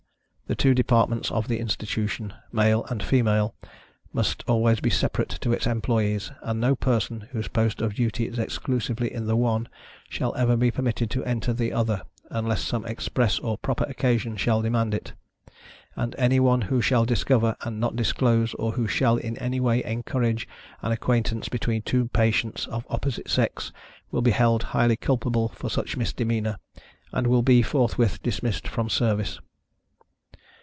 The two departments of the Institutionâ€"male and femaleâ€"must always be separate to its employees, and no person, whose post of duty is exclusively in the one, shall ever be permitted to enter the other, unless some express or proper occasion shall demand it; and any one who shall discover, and not disclose, or who shall in any way encourage, an acquaintance between two patients, of opposite sex, will be held highly culpable for such misdemeanor, and will be forthwith dismissed from service.